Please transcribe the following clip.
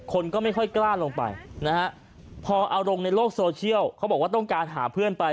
คนก็ไม่ค่อยกล้าลงไปนะฮะพอเอาลงในโลกโซเชียลเขาบอกว่าต้องการหาเพื่อนไป